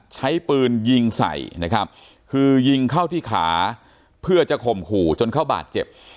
ใช้ปืนยิงใส่นะครับคือยิงเข้าที่ขาเพื่อจะข่มขู่จนเขาบาดเจ็บ